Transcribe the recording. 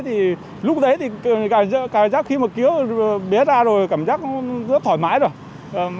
thì lúc đấy thì cảm giác khi mà kéo bé ra rồi cảm giác rất thoải mái rồi